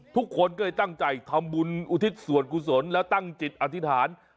ทุกคนก็เลยตั้งใจทำบุญอุทิศส่วนกุศลแล้วตั้งจิตอธิษฐาน